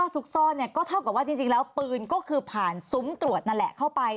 ซุกซ่อนเนี่ยก็เท่ากับว่าจริงแล้วปืนก็คือผ่านซุ้มตรวจนั่นแหละเข้าไป